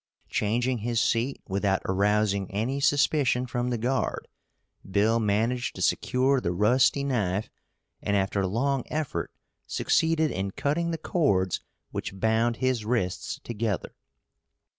Changing his seat without arousing any suspicion from the guard, Bill managed to secure the rusty knife, and after long effort succeeded in cutting the cords which bound his wrists together.